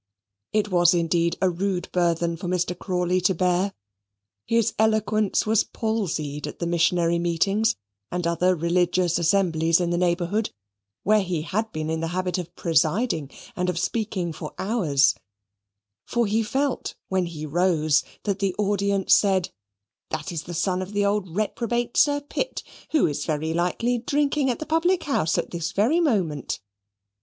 It was indeed a rude burthen for Mr. Crawley to bear. His eloquence was palsied at the missionary meetings, and other religious assemblies in the neighbourhood, where he had been in the habit of presiding, and of speaking for hours; for he felt, when he rose, that the audience said, "That is the son of the old reprobate Sir Pitt, who is very likely drinking at the public house at this very moment."